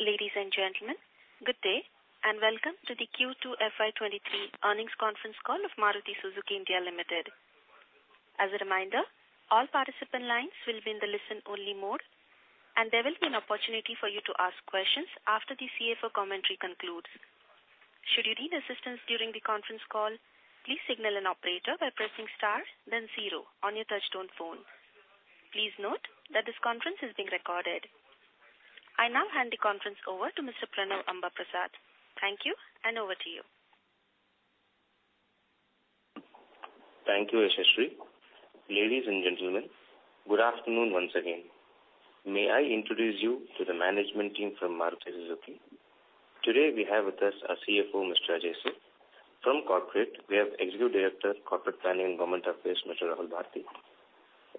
Ladies and gentlemen, good day, and welcome to the Q2 FY20E23 Earnings Conference Call Of Maruti Suzuki India Limited. As a reminder, all participant lines will be in the listen-only mode, and there will be an opportunity for you to ask questions after the CFO commentary concludes. Should you need assistance during the conference call, please signal an operator by pressing star then zero on your touchtone phone. Please note that this conference is being recorded. I now hand the conference over to Mr. Pranav Ambaprasad. Thank you, and over to you. Thank you, Yashashri. Ladies and gentlemen, good afternoon once again. May I introduce you to the management team from Maruti Suzuki. Today, we have with us our CFO, Mr. Ajay Seth. From corporate, we have Executive Director, Corporate Planning, and Government Affairs, Mr. Rahul Bharti.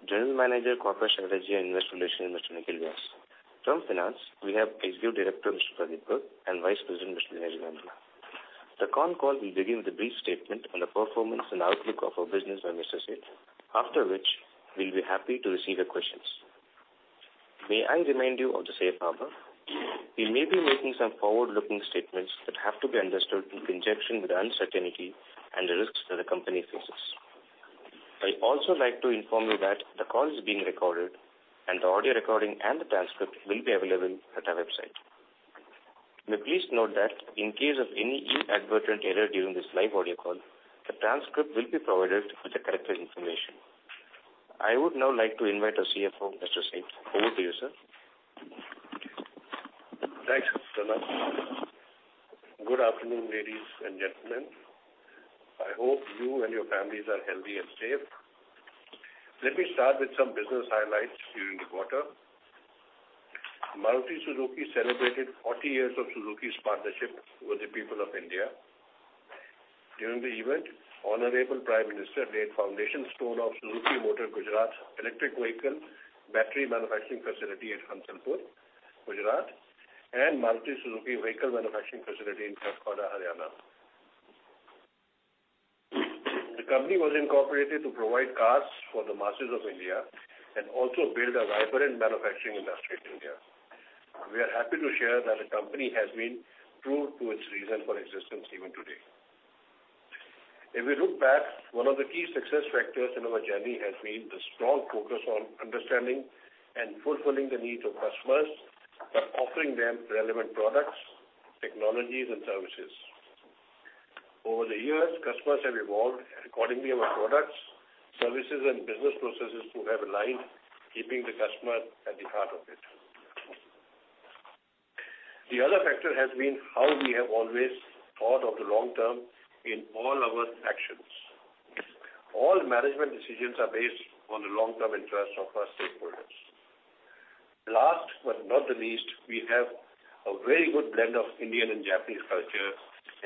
General Manager, Corporate Strategy, and Investor Relations, Mr. Nikhil Vyas. From finance, we have Executive Director, Mr. Pradeep Garg and Vice President, Mr. Neeraj Mandhana. The con call will begin with a brief statement on the performance and outlook of our business by Mr. Seth, after which we'll be happy to receive your questions. May I remind you of the safe harbor. We may be making some forward-looking statements that have to be understood in conjunction with the uncertainty and the risks that the company faces. I'd also like to inform you that the call is being recorded, and the audio recording and the transcript will be available at our website. Please note that in case of any inadvertent error during this live audio call, the transcript will be provided with the corrected information. I would now like to invite our CFO, Mr. Ajay Seth. Over to you, sir. Thanks, Pranav. Good afternoon, ladies and gentlemen. I hope you and your families are healthy and safe. Let me start with some business highlights during the quarter. Maruti Suzuki celebrated 40 years of Suzuki's partnership with the people of India. During the event, Honourable Prime Minister laid foundation stone of Suzuki Motor Gujarat electric vehicle battery manufacturing facility at Hansalpur, Gujarat, and Maruti Suzuki vehicle manufacturing facility in Kharkhoda, Haryana. The company was incorporated to provide cars for the masses of India and also build a vibrant manufacturing industry in India. We are happy to share that the company has been true to its reason for existence even today. If we look back, one of the key success factors in our journey has been the strong focus on understanding and fulfilling the needs of customers by offering them relevant products, technologies and services. Over the years, customers have evolved, and accordingly, our products, services, and business processes too have aligned, keeping the customer at the heart of it. The other factor has been how we have always thought of the long term in all our actions. All management decisions are based on the long-term interest of our stakeholders. Last but not the least, we have a very good blend of Indian and Japanese culture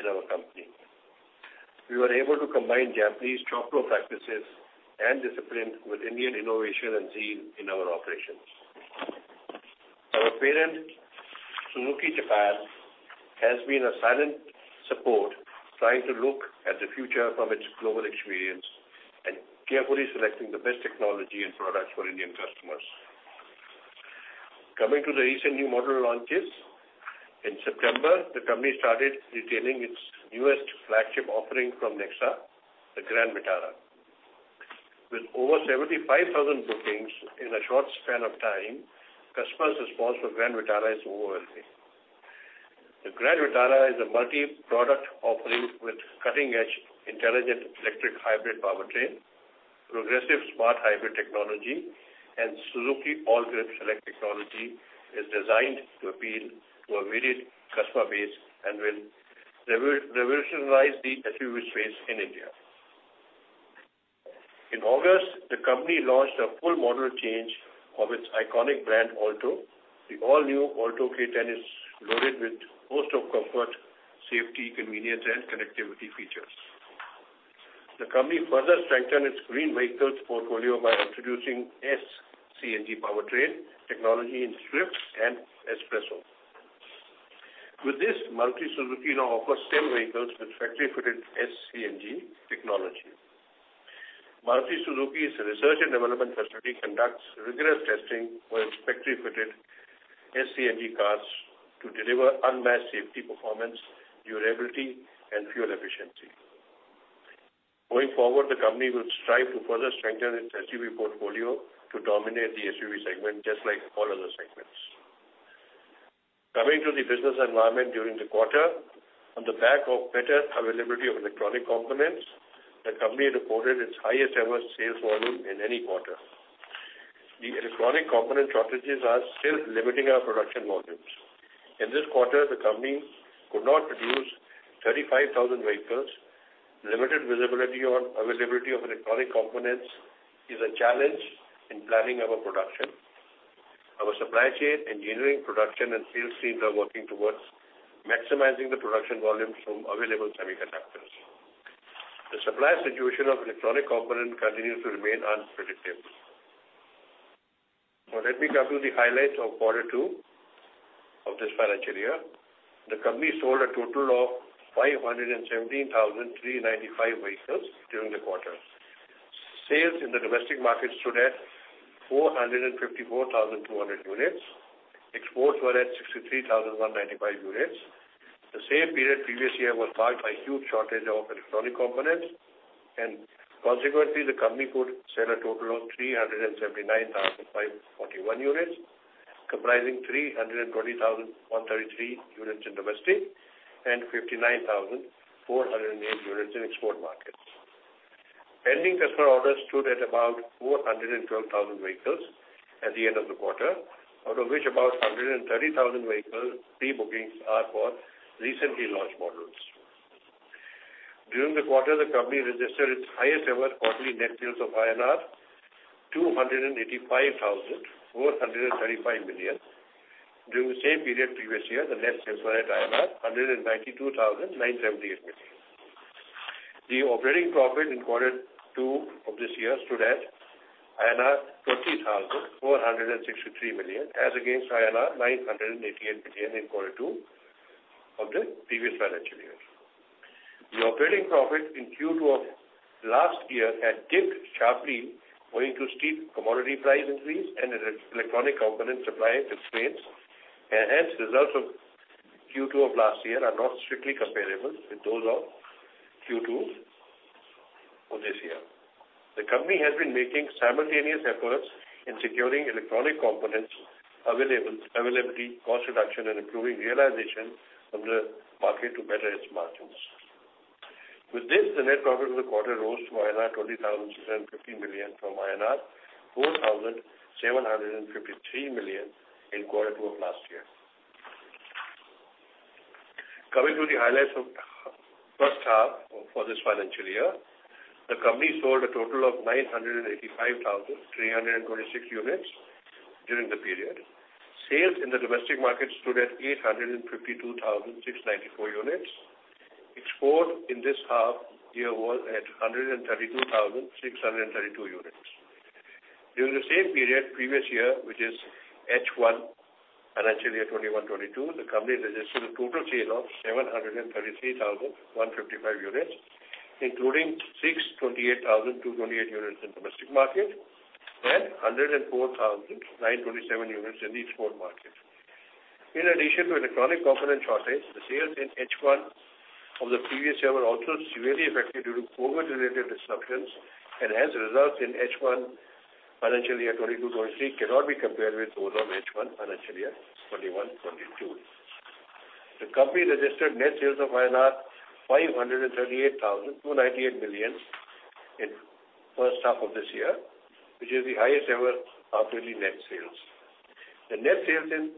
in our company. We were able to combine Japanese top-notch practices and discipline with Indian innovation and zeal in our operations. Our parent, Suzuki, has been a silent support, trying to look at the future from its global experience and carefully selecting the best technology and products for Indian customers. Coming to the recent new model launches, in September, the company started retailing its newest flagship offering from NEXA, the Grand Vitara. With over 75,000 bookings in a short span of time, customers' response for Grand Vitara is overwhelming. The Grand Vitara is a multi-product offering with cutting-edge intelligent electric hybrid powertrain, progressive smart hybrid technology, and Suzuki ALLGRIP Select technology, is designed to appeal to a varied customer base and will revolutionize the SUV space in India. In August, the company launched a full model change of its iconic brand Alto. The all-new Alto K10 is loaded with a host of comfort, safety, convenience, and connectivity features. The company further strengthened its green vehicles portfolio by introducing S-CNG powertrain technology in Swift and S-Presso. With this, Maruti Suzuki now offers 10 vehicles with factory-fitted S-CNG technology. Maruti Suzuki's research and development facility conducts rigorous testing for its factory-fitted S-CNG cars to deliver unmatched safety performance, durability, and fuel efficiency. Going forward, the company will strive to further strengthen its SUV portfolio to dominate the SUV segment just like all other segments. Coming to the business environment during the quarter. On the back of better availability of electronic components, the company reported its highest-ever sales volume in any quarter. The electronic component shortages are still limiting our production volumes. In this quarter, the company could not produce 35,000 vehicles. Limited visibility on availability of electronic components is a challenge in planning our production. Our supply chain, engineering, production, and sales teams are working towards maximizing the production volumes from available semiconductors. The supply situation of electronic component continues to remain unpredictable. Now let me come to the highlights of Q2 of this financial year. The company sold a total of 517,395 vehicles during the quarter. Sales in the domestic market stood at 454,200 units. Exports were at 63,195 units. The same period previous year was marked by huge shortage of electronic components, and consequently, the company could sell a total of 379,541 units, comprising 320,133 units in domestic and 59,408 units in export markets. Pending customer orders stood at about 412,000 vehicles at the end of the quarter, out of which about 130,000 vehicles pre-bookings are for recently launched models. During the quarter, the company registered its highest ever quarterly net sales of INR 285,435 million. During the same period previous year, the net sales were at INR 192,978 million. The operating profit in Q2 of this year stood at INR 20,463 million, as against INR 988 million in Q2 of the previous financial year. The operating profit in Q2 of last year had dipped sharply owing to steep commodity price increase and electronic component supply constraints. Hence, results of Q2 of last year are not strictly comparable with those of Q2 for this year. The company has been making simultaneous efforts in securing electronic components availability, cost reduction, and improving realization from the market to better its margins. With this, the net profit of the quarter rose to INR 20,750 million from INR 4,753 million in Q2 of last year. Coming to the highlights of H1 for this financial year, the company sold a total of 985,326 units during the period. Sales in the domestic market stood at 852,694 units. Exports in this half year was at 132,632 units. During the same period previous year, which is H1 financial year 2021, 2022, the company registered a total sales of 733,155 units, including 628,228 units in domestic market and 104,927 units in the export market. In addition to electronic component shortage, the sales in H1 of the previous year were also severely affected due to COVID-related disruptions. Hence, results in H1 financial year 2022, 2023 cannot be compared with those of H1 financial year 2021, 2022. The company registered net sales of 538,298 million in H1 of this year, which is the highest ever half yearly net sales. The net sales in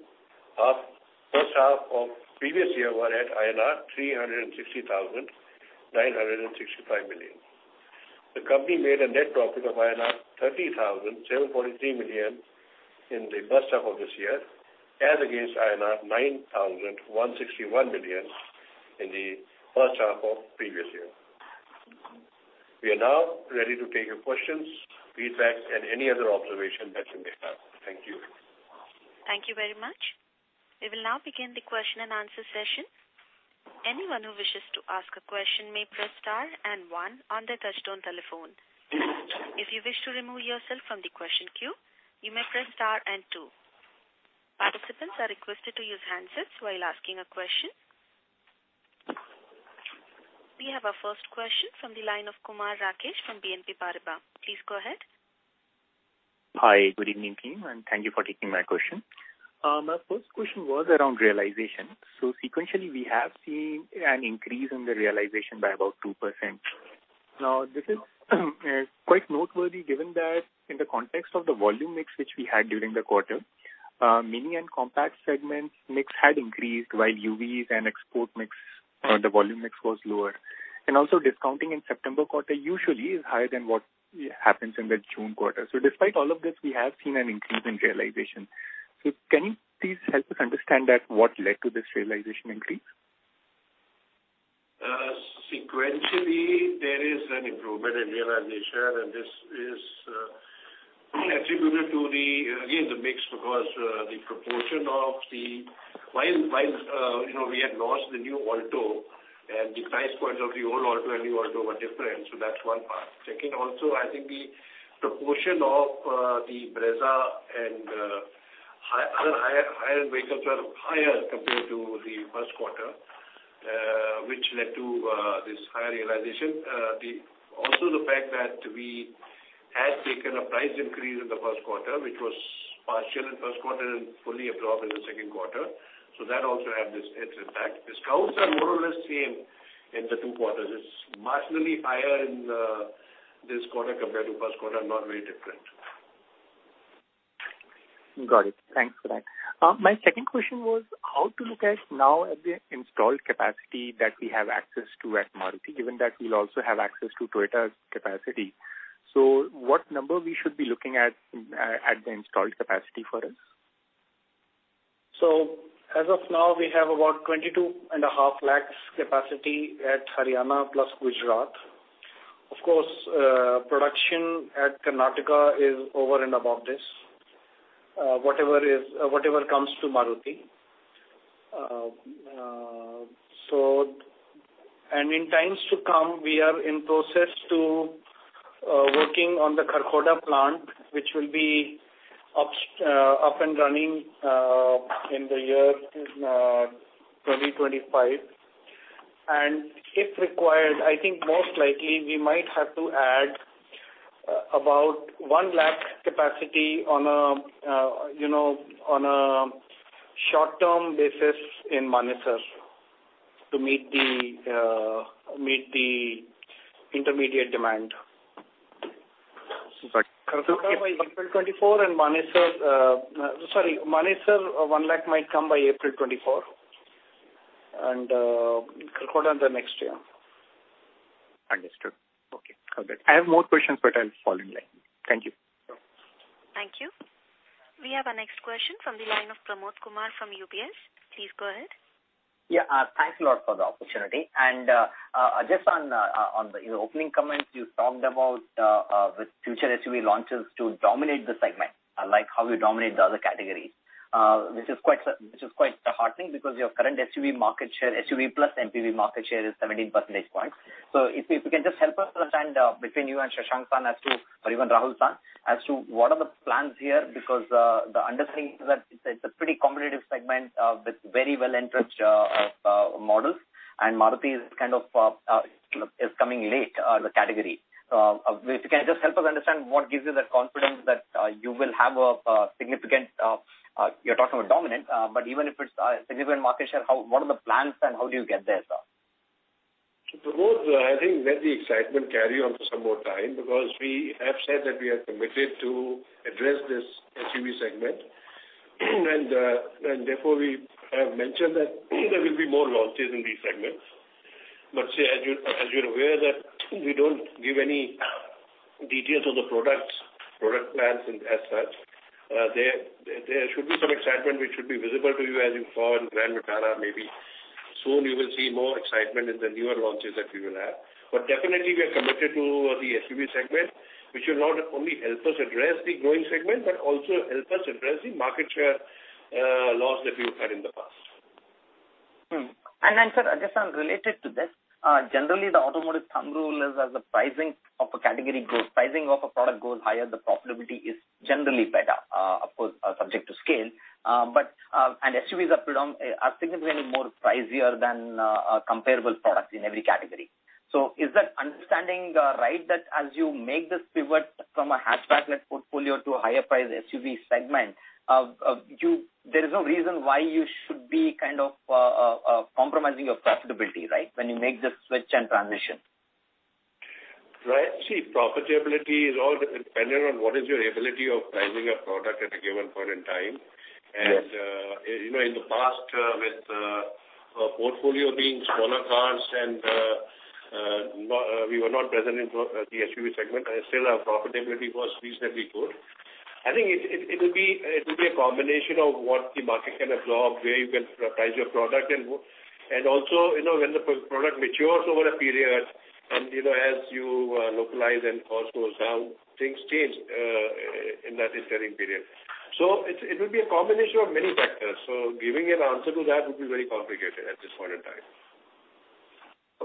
H1 of previous year were at INR 360,965 million. The company made a net profit of INR 30,743 million in the H1 of this year, as against INR 9,161 million in the H1 of previous year. We are now ready to take your questions, feedback, and any other observation that you may have. Thank you. Thank you very much. We will now begin the question and answer session. Anyone who wishes to ask a question may press star and one on their touchtone telephone. If you wish to remove yourself from the question queue, you may press star and two. Participants are requested to use handsets while asking a question. We have our first question from the line of Kumar Rakesh from BNP Paribas. Please go ahead. Hi. Good evening, team, and thank you for taking my question. My first question was around realization. Sequentially, we have seen an increase in the realization by about 2%. Now, this is quite noteworthy given that in the context of the volume mix which we had during the quarter, mini and compact segments mix had increased while UVs and export mix, the volume mix was lower. Also, discounting in September quarter usually is higher than what happens in the June quarter. Despite all of this, we have seen an increase in realization. Can you please help us understand that what led to this realization increase? Sequentially, there is an improvement in realization, and this is attributed to the mix because the proportion of the. While you know, we had launched the new Alto and the price points of the old Alto and new Alto were different, so that's one part. Second, also, I think the proportion of the Brezza and other higher vehicles are higher compared to the Q1, which led to this higher realization. Also the fact that we had taken a price increase in the Q1, which was partial in Q1 and fully absorbed in the Q2. So that also had its impact. Discounts are more or less same in the two quarters. It's marginally higher in this quarter compared to Q1, not very different. Got it. Thanks for that. My second question was how to look at now at the installed capacity that we have access to at Maruti, given that we'll also have access to Toyota's capacity. What number we should be looking at the installed capacity for us? As of now, we have about 22.5 lakh capacity at Haryana plus Gujarat. Of course, production at Karnataka is over and above this. Whatever comes to Maruti, and in times to come, we are in process to working on the Kharkhoda plant, which will be up and running in the year 2025. If required, I think most likely we might have to add about 1 lakh capacity on a short-term basis in Manesar to meet the intermediate demand. Kharkhoda by April 2024 and Manesar....sorry 1 lakh might come by April 2024 and Kharkhoda the next year. Understood. Okay, got it. I have more questions, but I'll follow in line. Thank you. Thank you. We have our next question from the line of Pramod Kumar from UBS. Please go ahead. Yeah, thanks a lot for the opportunity. Just on your opening comments, you talked about with future SUV launches to dominate the segment, unlike how you dominate the other categories. This is quite heartening because your current SUV market share, SUV plus MPV market share is 17 percentage points. If you can just help us understand between you and Shashank Srivastava as to, or even Rahul Bharti, as to what are the plans here, because the understanding is that it's a pretty competitive segment with very well-entrenched models, and Maruti is, you know, is coming late on the category. If you can just help us understand what gives you that confidence that you will have a significant, you're talking about dominant, but even if it's significant market share, how, what are the plans and how do you get there, sir? Pramod, I think let the excitement carry on for some more time because we have said that we are committed to address this SUV segment. Therefore, we have mentioned that there will be more launches in these segments. As you're aware that we don't give any details on the products, product plans and as such, there should be some excitement which should be visible to you as you saw in Grand Vitara, maybe soon you will see more excitement in the newer launches that we will have. Definitely, we are committed to the SUV segment, which will not only help us address the growing segment, but also help us address the market share loss that we have had in the past. Sir, just one related to this, generally the automotive thumb rule is as the pricing of a category goes, pricing of a product goes higher, the profitability is generally better, of course, subject to scale and SUVs are significantly more pricier than a comparable product in every category. Is that understanding right that as you make this pivot from a hatchback-led portfolio to a higher priced SUV segment of your, there is no reason why you should be compromising your profitability, right? When you make this switch and transition. Right. See, profitability is all dependent on what is your ability of pricing a product at a given point in time. Yes. You know, in the past, with our portfolio being smaller cars and we were not present in the SUV segment, and still our profitability was reasonably good. I think it will be a combination of what the market can absorb, where you can price your product and also, you know, when the product matures over a period and, you know, as you localize and cost goes down, things change in that interim period. It will be a combination of many factors. Giving an answer to that would be very complicated at this point in time.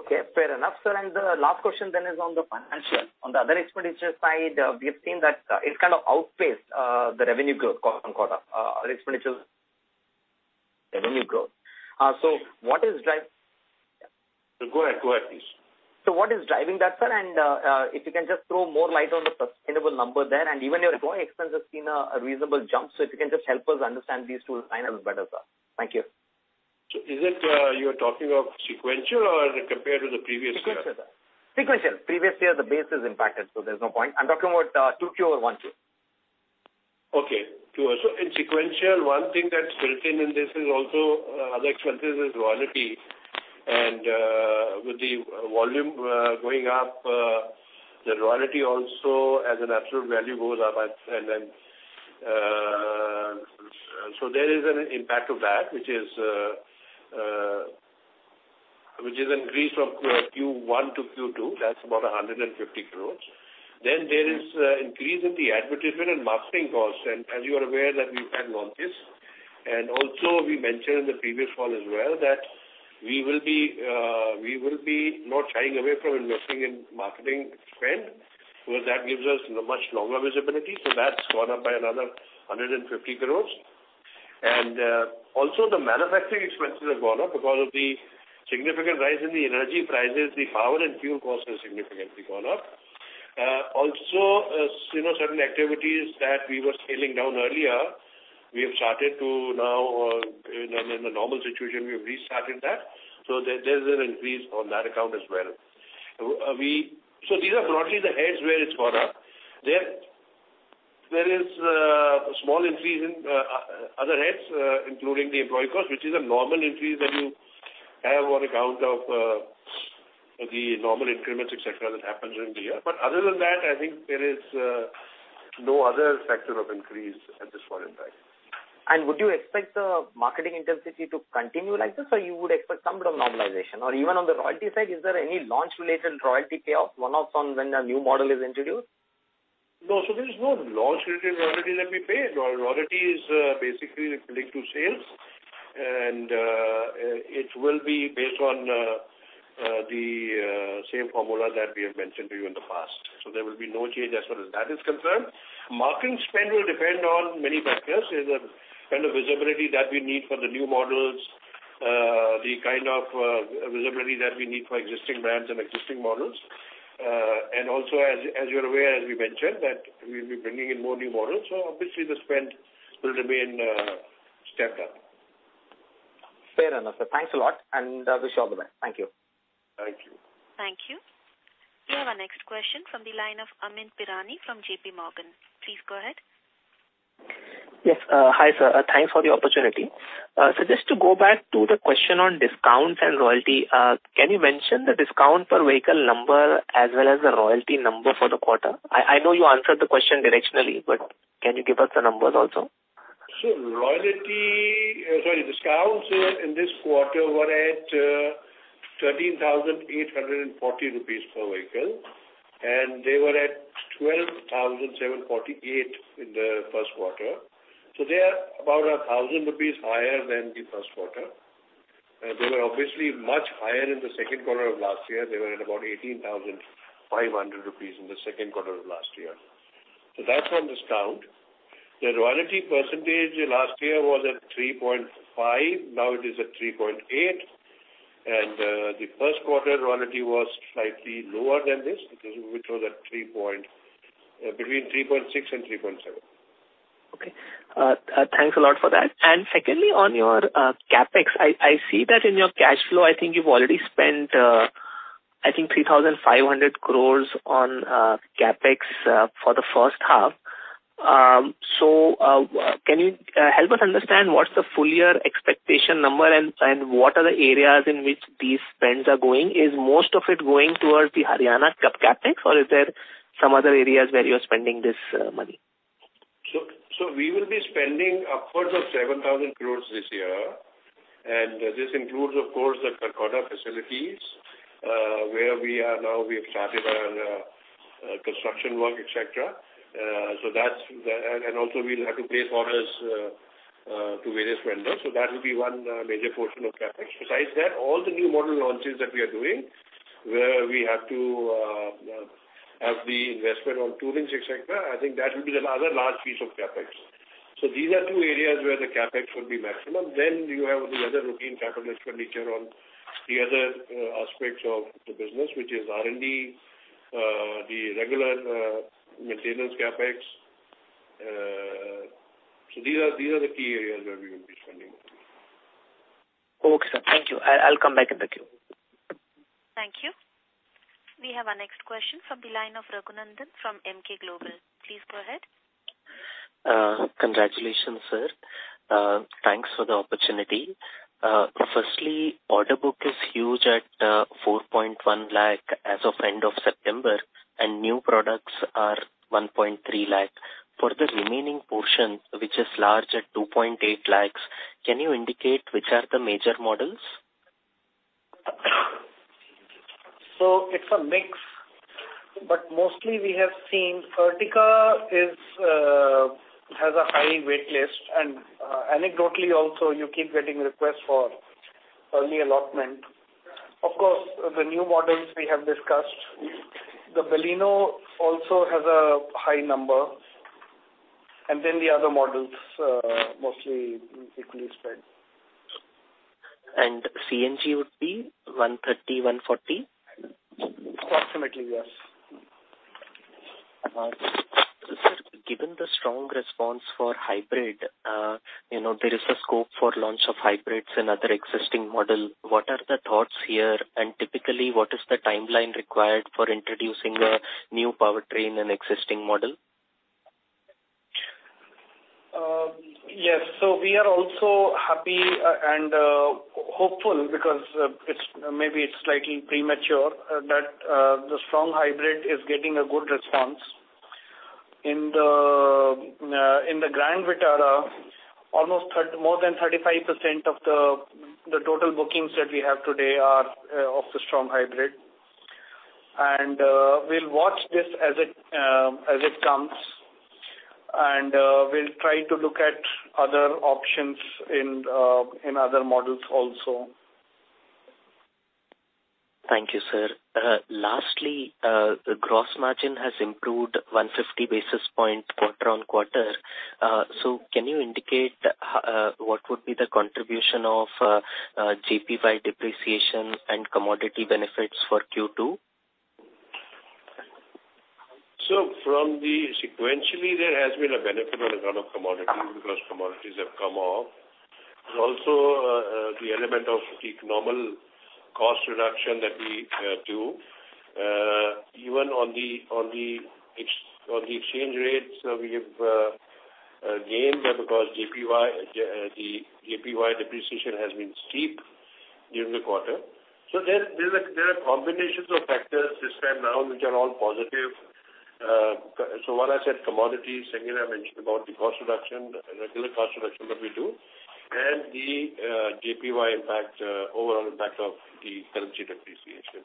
Okay, fair enough, sir. The last question then is on the financials. On the other expenditure side, we have seen that it kind of outpaced the revenue growth quarter-on-quarter. Go ahead please. What is driving that, sir? If you can just throw more light on the sustainable number there, and even your growing expense has seen a reasonable jump. If you can just help us understand these two line items better, sir. Thank you. Is it, you're talking of sequential or compared to the previous year? Sequential, sir. Previous year, the base is impacted, so there's no point. I'm talking about Q2 over Q1. Okay. Q2. In sequential, one thing that's built in this is also other expenses is royalty. With the volume going up, the royalty also as an absolute value goes up, so there is an impact of that which is an increase from Q1 to Q2, that's about 150 crores. There is an increase in the advertisement and marketing costs. As you are aware that we've had launches, and also we mentioned in the previous call as well that we will be not shying away from investing in marketing spend, because that gives us a much longer visibility. That's gone up by another 150 crores. Also the manufacturing expenses have gone up because of the significant rise in the energy prices. The power and fuel costs have significantly gone up. Also, you know, certain activities that we were scaling down earlier, we have started to now, in a normal situation, we have restarted that. There's an increase on that account as well. These are broadly the heads where it's gone up. There is a small increase in other heads, including the employee cost, which is a normal increase that you have on account of the normal increments, et cetera, that happens during the year. Other than that, I think there is no other factor of increase at this point in time. Would you expect the marketing intensity to continue like this, or you would expect some bit of normalization? Or even on the royalty side, is there any launch related royalty payoff, one-off from when a new model is introduced? No. There is no launch-related royalty that we pay. Royalty is basically linked to sales, and it will be based on the same formula that we have mentioned to you in the past. There will be no change as far as that is concerned. Marketing spend will depend on many factors. It's the visibility that we need for the new models, the kind of visibility that we need for existing brands and existing models. And also as you're aware we mentioned, that we'll be bringing in more new models, so obviously the spend will remain stepped up. Fair enough, sir. Thanks a lot, and I wish you all the best. Thank you. Thank you. Thank you. We have our next question from the line of Amyn Pirani from JPMorgan. Please go ahead. Yes. Hi, sir. Thanks for the opportunity. Just to go back to the question on discounts and royalty, can you mention the discount per vehicle number as well as the royalty number for the quarter? I know you answered the question directionally, but can you give us the numbers also? Discounts in this quarter were at 13,800 rupees per vehicle, and they were at 12,748 in the Q1. They are about 1,000 rupees higher than the Q1. They were obviously much higher in the Q2 of last year. They were at about 18,500 rupees in the Q2 of last year. That's on discount. The royalty percentage last year was at 3.5%. Now it is at 3.8%. The Q1 royalty was slightly lower than this because it was between 3.6% and 3.7%. Okay. Thanks a lot for that. Secondly, on your CapEx, I see that in your cash flow, I think you've already spent 3,500 crores on CapEx for the H1. So, can you help us understand what's the full year expectation number and what are the areas in which these spends are going? Is most of it going towards the Haryana CapEx, or is there some other areas where you're spending this money? We will be spending upwards of 7,000 crore this year, and this includes of course the Kolkata facilities, where we are now, we have started our construction work, et cetera. Also we'll have to place orders to various vendors. That will be one major portion of CapEx. Besides that, all the new model launches that we are doing, where we have to have the investment in tooling, et cetera, I think that will be the other large piece of CapEx. These are two areas where the CapEx will be maximum. You have the other routine capital expenditure on the other aspects of the business, which is R&D, the regular maintenance CapEx. These are the key areas where we will be spending. Okay, sir. Thank you. I'll come back in the queue. Thank you. We have our next question from the line of Raghunandhan N L from Emkay Global. Please go ahead. Congratulations, sir. Thanks for the opportunity. Firstly, order book is huge at 4.1 lakh as of end of September and new products are 1.3 lakh. For the remaining portion, which is large at 2.8 lakhs, can you indicate which are the major models? It's a mix, but mostly we have seen Ertiga has a high wait list and, anecdotally also you keep getting requests for early allotment. Of course, the new models we have discussed. The Baleno also has a high number. The other models, mostly equally spread. CNG would be 130, 140? Approximately, yes. Sir, given the strong response for hybrid, there is a scope for launch of hybrids in other existing model. What are the thoughts here? Typically, what is the timeline required for introducing a new powertrain in existing model? Yes. We are also happy and hopeful because it's maybe slightly premature, but the strong hybrid is getting a good response. In the Grand Vitara, almost more than 35% of the total bookings that we have today are of the strong hybrid. We'll watch this as it comes. We'll try to look at other options in other models also. Thank you, sir. Lastly, the gross margin has improved 150 basis points quarter-on-quarter. Can you indicate what would be the contribution of JPY depreciation and commodity benefits for Q2? From the sequentially, there has been a benefit on account of commodity because commodities have come off. And also, the element of the normal cost reduction that we do. Even on the exchange rates, we have gained because JPY, the JPY depreciation has been steep during the quarter. There are combinations of factors this time now which are all positive. One I said commodities, second I mentioned about the cost reduction, the regular cost reduction that we do. The JPY impact, overall impact of the currency depreciation.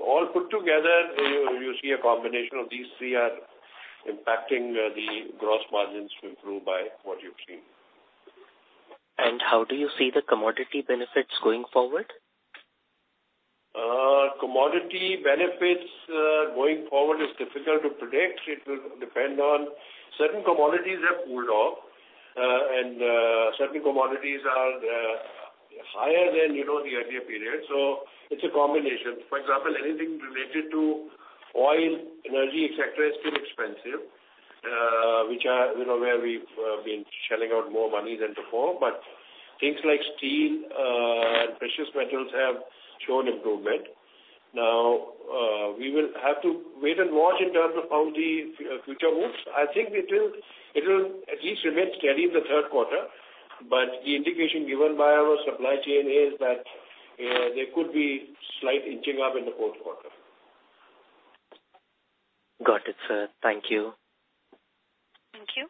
All put together, you see a combination of these three are impacting the gross margins to improve by what you've seen. How do you see the commodity benefits going forward? Commodity benefits going forward is difficult to predict. It will depend on certain commodities have cooled off, and certain commodities are higher than, you know, the earlier period. It's a combination. For example, anything related to oil, energy, et cetera, is still expensive, which are, you know, where we've been shelling out more money than before. Things like steel and precious metals have shown improvement. Now, we will have to wait and watch in terms of how the future moves. I think it will at least remain steady in the Q3, but the indication given by our supply chain is that there could be slight inching up in the Q4. Got it, sir. Thank you. Thank you.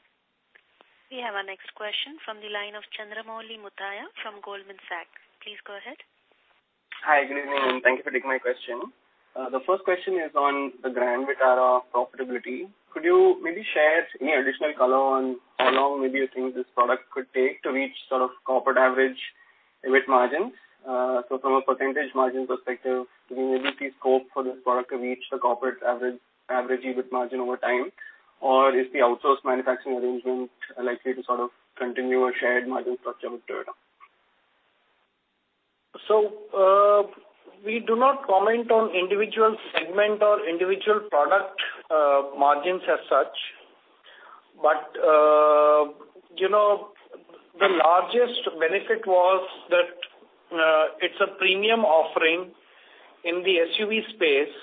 We have our next question from the line of Chandramouli Muthiah from Goldman Sachs. Please go ahead. Hi, good evening, and thank you for taking my question. The first question is on the Grand Vitara profitability. Could you maybe share any additional color on how long maybe you think this product could take to reach sort of corporate average EBIT margins? So from a percentage margin perspective, could you maybe see scope for this product to reach the corporate average EBIT margin over time? Or is the outsourced manufacturing arrangement likely to continue a shared margin structure with Toyota? We do not comment on individual segment or individual product margins as such. You know, the largest benefit was that it's a premium offering in the SUV space.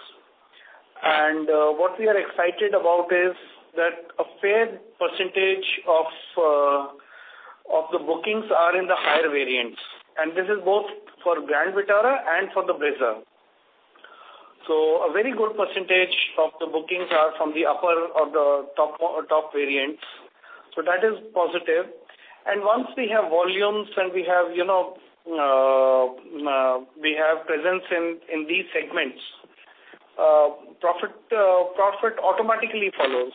What we are excited about is that a fair percentage of the bookings are in the higher variants, and this is both for Grand Vitara and for the Brezza. A very good percentage of the bookings are from the upper of the top variants. That is positive. Once we have volumes and we have, you know, we have presence in these segments, profit automatically follows.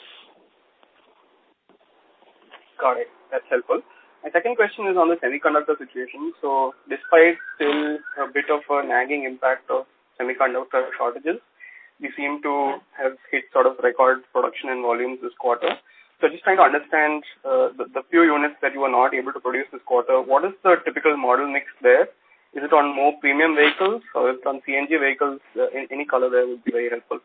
Got it. That's helpful. My second question is on the semiconductor situation. Despite still a bit of a nagging impact of semiconductor shortages, you seem to have hit record production and volumes this quarter. Just trying to understand, the few units that you are not able to produce this quarter, what is the typical model mix there? Is it on more premium vehicles or is it on CNG vehicles? Any color there would be very helpful.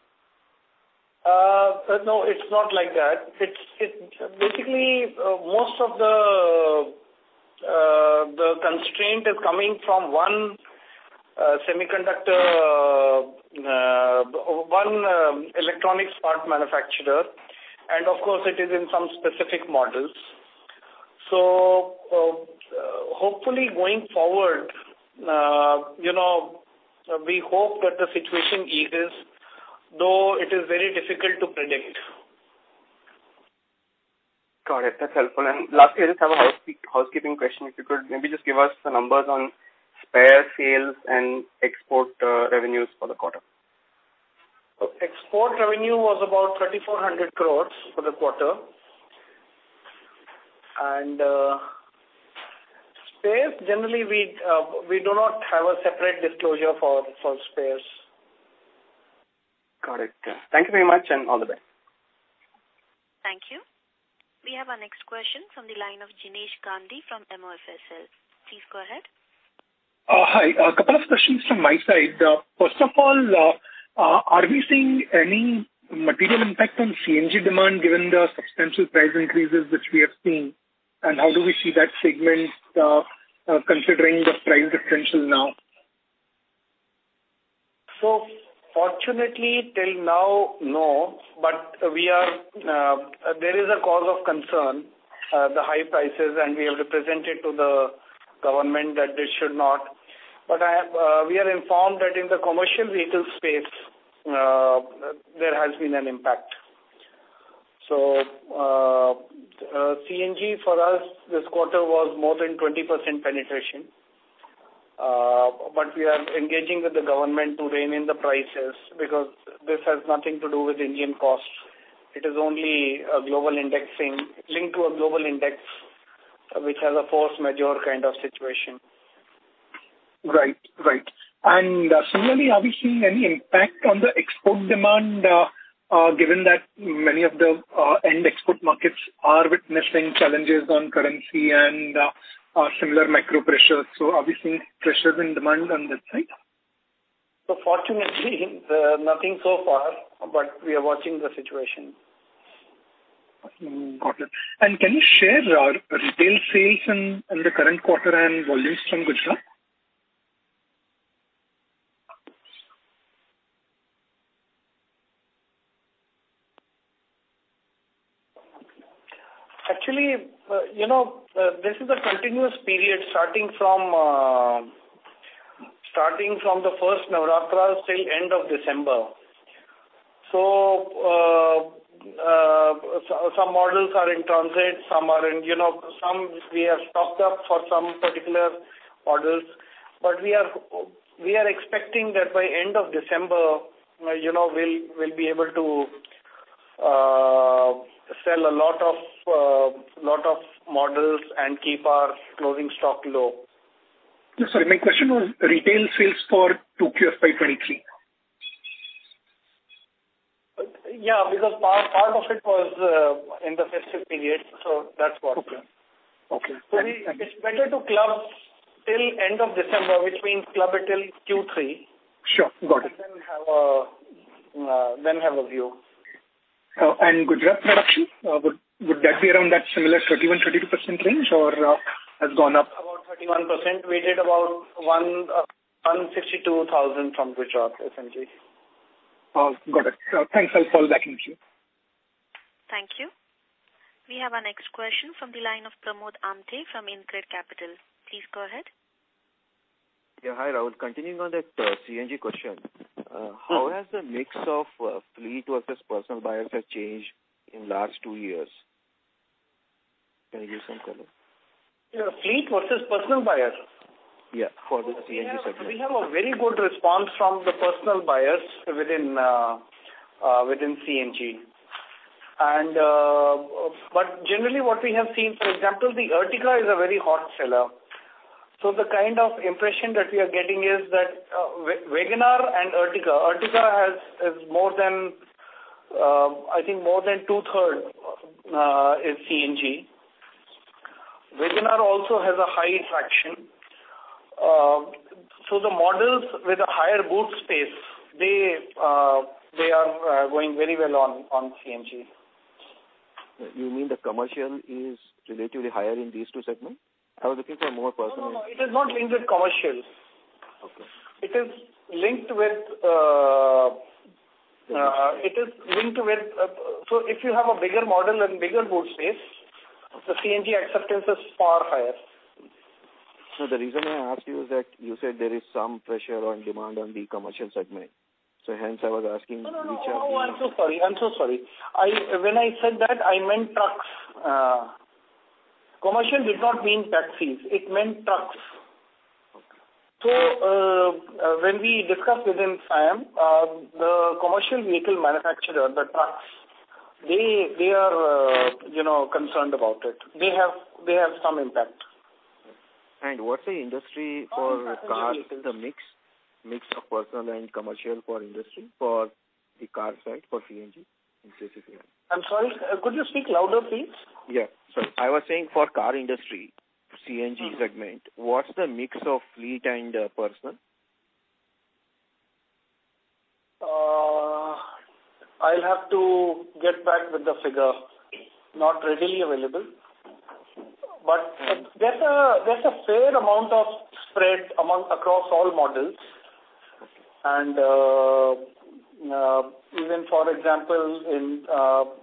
No, it's not like that. It's basically most of the constraint is coming from one semiconductor, one electronics part manufacturer, and of course it is in some specific models. Hopefully going forward, you know, we hope that the situation eases, though it is very difficult to predict. Got it. That's helpful. Lastly, I just have a housekeeping question. If you could maybe just give us the numbers on spare sales and export revenues for the quarter? Export revenue was about 3,400 crore for the quarter. Spares, generally, we do not have a separate disclosure for spares. Got it. Thank you very much, and all the best. Thank you. We have our next question from the line of Jinesh Gandhi from MOFSL. Please go ahead. Hi. A couple of questions from my side. First of all, are we seeing any material impact on CNG demand given the substantial price increases which we have seen? How do we see that segment, considering the price differential now? Fortunately, till now, no. There is a cause of concern, the high prices, and we have represented to the government that they should not but I have, we are informed that in the commercial vehicle space, there has been an impact. CNG for us this quarter was more than 20% penetration but we are engaging with the government to rein in the prices because this has nothing to do with Indian costs. It is only a global indexing, linked to a global index which has a force majeure kind of situation. Right. Similarly, are we seeing any impact on the export demand, given that many of the end export markets are witnessing challenges on currency and similar macro pressures? Have you seen pressures in demand on that side? Fortunately, nothing so far, but we are watching the situation. Got it. Can you share our retail sales in the current quarter and volumes from Gujarat? Actually, you know, this is a continuous period starting from the first Navratri till end of December. Some models are in transit, some are in, you know, some we have stocked up for some particular models. We are expecting that by end of December, you know, we'll be able to sell a lot of models and keep our closing stock low. Sorry, my question was retail sales for Q2, FY2023. Yeah, because part of it was in the festive period, so that's why. Okay. Okay. Sorry. Thanks. It's better to club till end of December, which means club it till Q3. Sure. Got it. Then have a view. And Gujarat production, would that be around that similar 31%-32% range or has gone up? About 31%. We did about 152,000 from Gujarat, CNG. Got it. Thanks. I'll follow back in queue. Thank you. We have our next question from the line of Pramod Amthe from InCred Capital. Please go ahead. Yeah. Hi, Rahul. Continuing on that, CNG question. Yeah. How has the mix of fleet versus personal buyers has changed in last two years? Can you give some color? Yeah. Fleet versus personal buyers? Yeah, for the CNG segment. We have a very good response from the personal buyers within CNG. Generally what we have seen, for example, the Ertiga is a very hot seller. The kind of impression that we are getting is that WagonR and Ertiga. Ertiga is more than, I think more than two-thirds in CNG. WagonR also has a high traction. The models with a higher boot space, they are going very well on CNG. You mean the commercial is relatively higher in these two segments? I was looking for more personal. No, no. It is not linked with commercial. Okay. It is linked with, so if you have a bigger model and bigger boot space, the CNG acceptance is far higher. The reason I ask you is that you said there is some pressure on demand on the commercial segment. Hence I was asking. No, no. Oh, I'm so sorry. I'm so sorry. I, when I said that, I meant trucks. Commercial did not mean taxis, it meant trucks. Okay. When we discussed within SIAM, the commercial vehicle manufacturer, the trucks, they are, you know, concerned about it. They have some impact. What's the industry for cars in the mix of personal and commercial for industry, for the car side, for CNG specifically? I'm sorry. Could you speak louder, please? Yeah. Sorry. I was saying for car industry CNG segment, what's the mix of fleet and personal? I'll have to get back with the figure. Not readily available. There's a fair amount of spread across all models. Okay. Even for example, in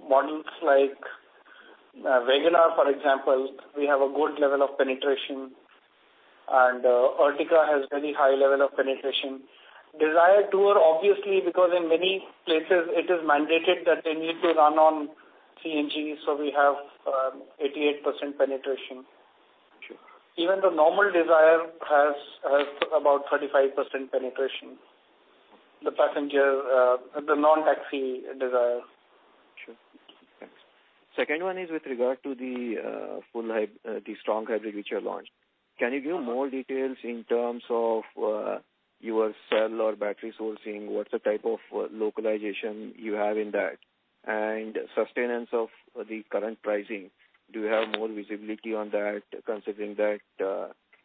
models like WagonR, for example, we have a good level of penetration and Ertiga has very high level of penetration. Dzire Tour obviously, because in many places it is mandated that they need to run on CNG, so we have 88% penetration. Sure. Even the normal Dzire has about 35% penetration. The passenger, the non-taxi Dzire. Sure. Thanks. Second one is with regard to the full hybrid, the strong hybrid which you launched. Can you give more details in terms of your cell or battery sourcing? What's the type of localization you have in that? And sustenance of the current pricing, do you have more visibility on that, considering that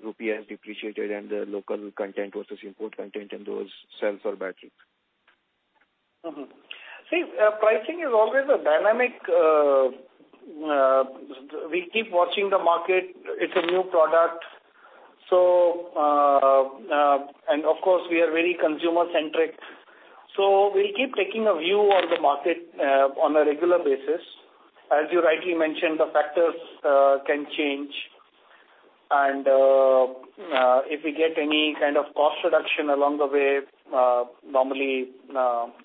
rupee has depreciated and the local content versus import content in those cells or batteries? See, pricing is always a dynamic. We keep watching the market. It's a new product. Of course, we are very consumer-centric. We keep taking a view on the market on a regular basis. As you rightly mentioned, the factors can change. If we get any kind of cost reduction along the way, normally,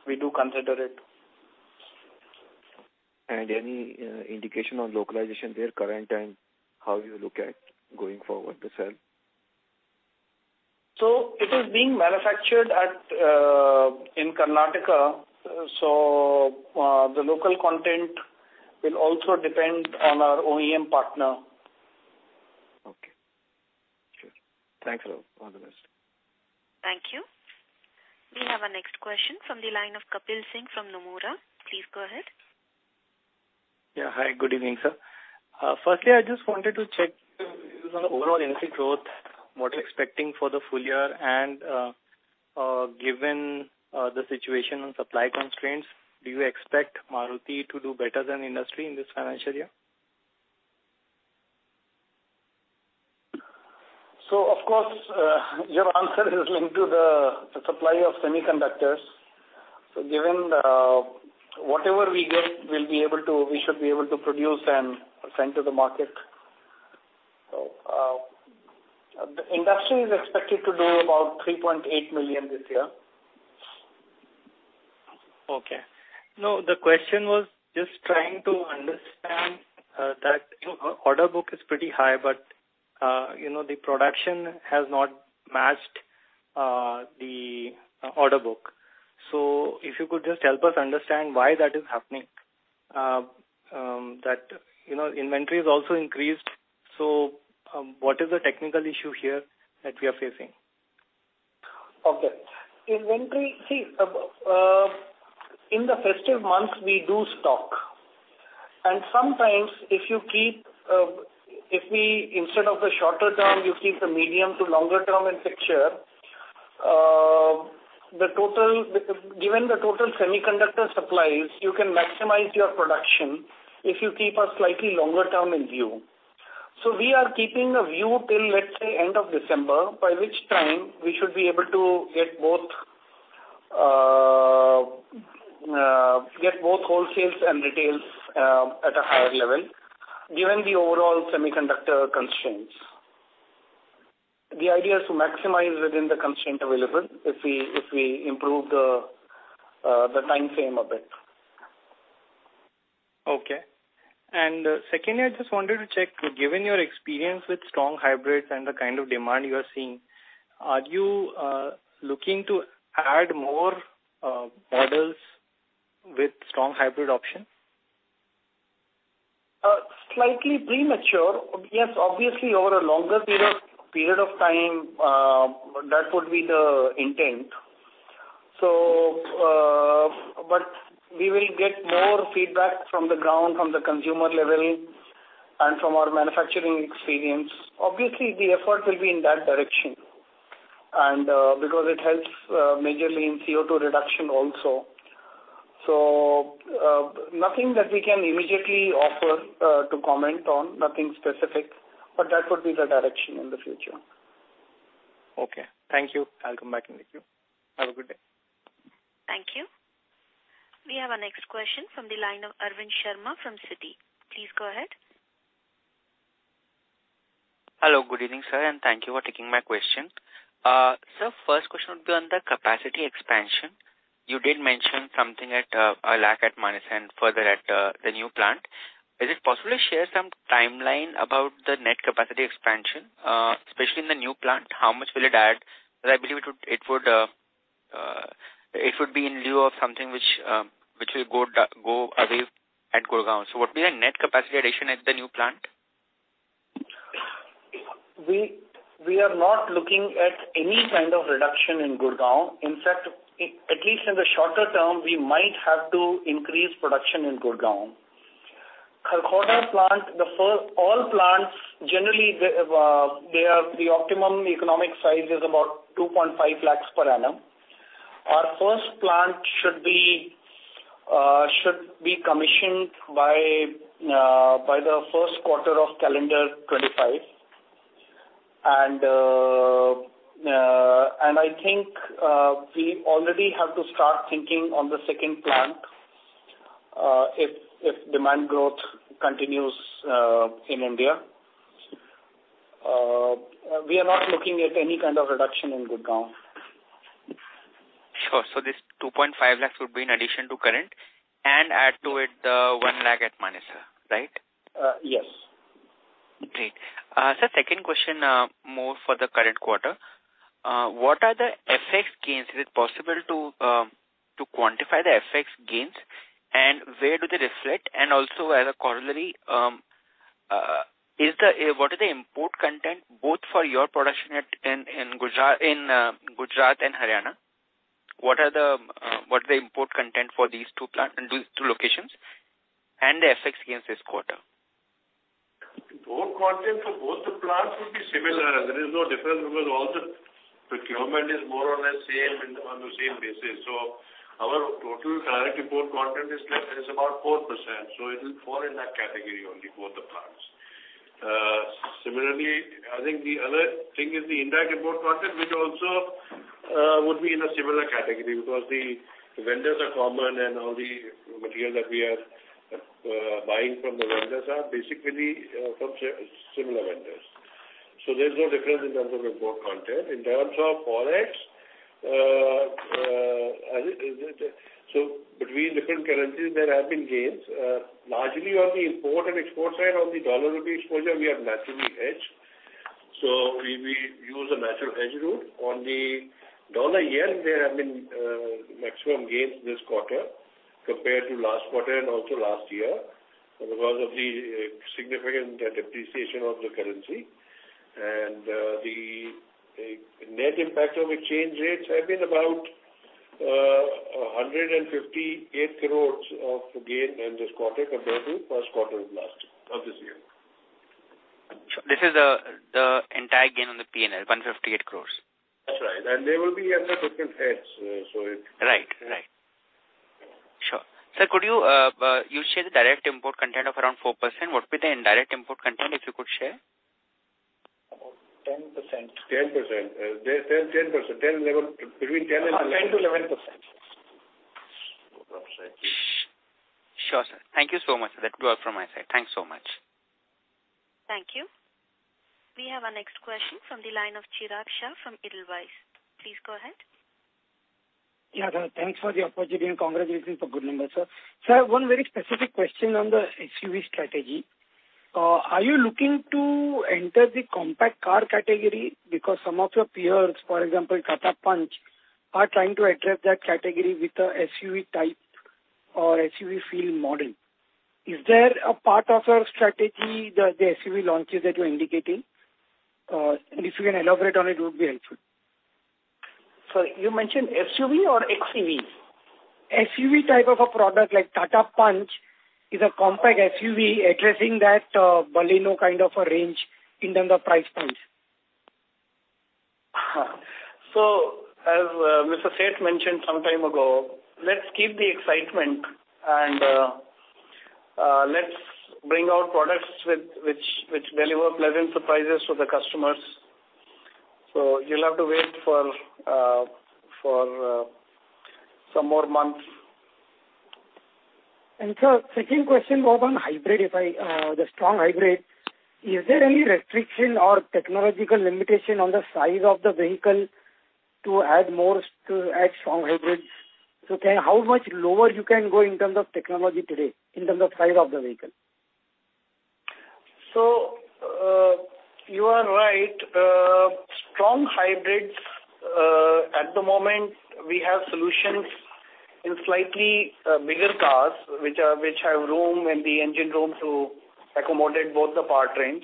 we do consider it. Any indication on localization, their current and how you look at going forward, the sales? It is being manufactured at, in Karnataka. The local content will also depend on our OEM partner. Okay. Sure. Thanks, Rahul. All the best. Thank you. We have our next question from the line of Kapil Singh from Nomura. Please go ahead. Yeah. Hi, good evening, sir. Firstly, I just wanted to check on the overall industry growth, what you're expecting for the full year. Given the situation on supply constraints, do you expect Maruti to do better than industry in this financial year? Of course, your answer is linked to the supply of semiconductors. Given whatever we get, we should be able to produce and send to the market. The industry is expected to do about 3.8 million this year. Okay. No, the question was just trying to understand that, you know, order book is pretty high, but, you know, the production has not matched the order book. If you could just help us understand why that is happening. That, you know, inventory has also increased. What is the technical issue here that we are facing? Okay. Inventory. See, in the festive months we do stock and sometimes if you keep, if we instead of a shorter term, you keep the medium to longer term in picture, the total, given the total semiconductor supplies, you can maximize your production if you keep a slightly longer term in view. We are keeping a view till, let's say, end of December, by which time we should be able to get both wholesales and retails at a higher level, given the overall semiconductor constraints. The idea is to maximize within the constraint available if we improve the timeframe a bit. Okay. Secondly, I just wanted to check, given your experience with strong hybrids and the kind of demand you are seeing, are you looking to add more models with strong hybrid option? Slightly premature. Yes, obviously over a longer period of time, that would be the intent. But we will get more feedback from the ground, from the consumer level and from our manufacturing experience. Obviously, the effort will be in that direction and, because it helps majorly in CO2 reduction also. Nothing that we can immediately offer to comment on. Nothing specific, but that would be the direction in the future. Okay. Thank you. I'll come back in with you. Have a good day. Thank you. We have our next question from the line of Arvind Sharma from Citi. Please go ahead. Hello. Good evening, sir, and thank you for taking my question. First question would be on the capacity expansion. You did mention something at [Karnataka] at Manesar and further at the new plant. Is it possible to share some timeline about the net capacity expansion, especially in the new plant? How much will it add? Because I believe it would be in lieu of something which will go away at Gurgaon. What would be the net capacity addition at the new plant? We are not looking at any kind of reduction in Gurgaon. In fact, at least in the shorter term, we might have to increase production in Gurgaon. Kharkhoda plant, all plants generally, they are the optimum economic size is about 2.5 lakhs per annum. Our first plant should be commissioned by the Q1 of calendar 2025. I think we already have to start thinking on the second plant if demand growth continues in India. We are not looking at any kind of reduction in Gurgaon. Sure. This 2.5 lakhs would be in addition to current and add to it, 1 lakh at Manesar, right? Yes. Great. Sir, second question, more for the current quarter. What are the FX gains? Is it possible to quantify the FX gains, and where do they reflect? Also as a corollary, what are the import content both for your production in Gujarat and Haryana? What are the import content for these two plants and these two locations and the FX gains this quarter? Import content for both the plants would be similar. There is no difference because all the procurement is more or less same and on the same basis. Our total direct import content is about 4%, so it will fall in that category only for the plants. Similarly, I think the other thing is the indirect import content, which also would be in a similar category because the vendors are common and all the material that we are buying from the vendors are basically from similar vendors. There's no difference in terms of import content. In terms of Forex, I think between different currencies there have been gains, largely on the import and export side. On the dollar rupee exposure, we are naturally hedged. We use a natural hedge route. On the dollar-yen, there have been maximum gains this quarter compared to last quarter and also last year because of the significant depreciation of the currency. The net impact of exchange rates have been about 158 crore of gain in this quarter compared to Q1 of this year. This is the entire gain on the P&L, 158 crores? That's right. There will be a different hedge. Right. Sure. Sir, could you say the direct import content of around 4%. What would be the indirect import content, if you could share? About 10%. Between 10% and 11%. 10% to 11%. Sure, sir. Thank you so much, sir. That was all from my side. Thanks so much. Thank you. We have our next question from the line of Chirag Shah from Edelweiss. Please go ahead. Yeah. Thanks for the opportunity, and congratulations for good numbers, sir. Sir, I have one very specific question on the SUV strategy. Are you looking to enter the compact car category? Because some of your peers, for example, Tata Punch, are trying to address that category with a SUV type or SUV feel model. Is that a part of your strategy, the SUV launches that you're indicating? And if you can elaborate on it would be helpful. Sir, you mentioned SUV or XUV? SUV type of a product like Tata Punch is a compact SUV addressing that, Baleno kind of a range in terms of price points. As Mr. Seth mentioned some time ago, let's keep the excitement and, let's bring out products with which deliver pleasant surprises to the customers. You'll have to wait for some more months. Sir, second question more on hybrid. If the strong hybrid, is there any restriction or technological limitation on the size of the vehicle to add strong hybrids? How much lower you can go in terms of technology today, in terms of size of the vehicle? You are right. Strong hybrids, at the moment we have solutions in slightly bigger cars which have room in the engine room to accommodate both the powertrains.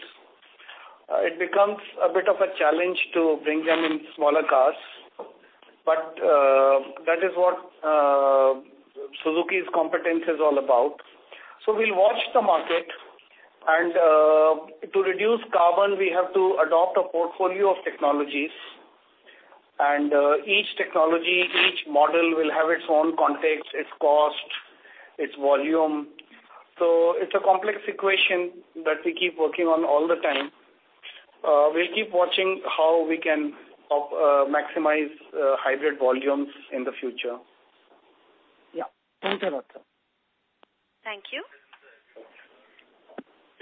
It becomes a bit of a challenge to bring them in smaller cars, but that is what Suzuki's competence is all about. We'll watch the market and, to reduce carbon, we have to adopt a portfolio of technologies. Each technology, each model will have its own context, its cost, its volume. It's a complex equation that we keep working on all the time. We'll keep watching how we can maximize hybrid volumes in the future. Yeah. Thanks a lot, sir. Thank you.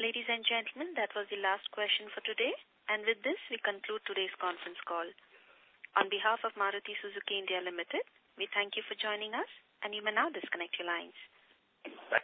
Ladies and gentlemen, that was the last question for today, and with this, we conclude today's conference call. On behalf of Maruti Suzuki India Limited, we thank you for joining us and you may now disconnect your lines. Thank you.